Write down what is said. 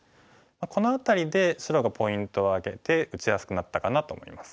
この辺りで白がポイントを挙げて打ちやすくなったかなと思います。